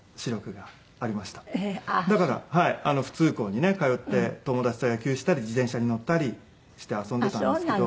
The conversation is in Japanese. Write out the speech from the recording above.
だから普通校にね通って友達と野球したり自転車に乗ったりして遊んでたんですけど。